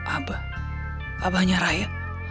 abah abahnya raya